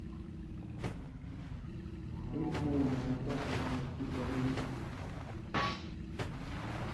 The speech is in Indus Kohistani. اسمَیں دھان٘کہ علامَتی بنِگ